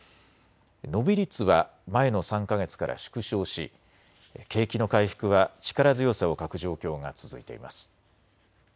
伸び率は前の３か月から縮小し、景気の回復は力強さを欠く状況が続いています。